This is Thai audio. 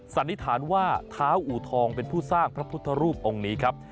สันนิษฐานว่าเท้าอูทองเป็นผู้สร้างพระพุทธรูปองค์นี้ครับ